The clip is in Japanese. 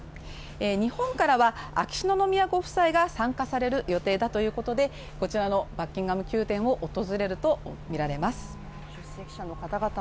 日本からは秋篠宮ご夫妻が参加される予定だということで、こちらのバッキンガム宮殿を訪れるとみられます。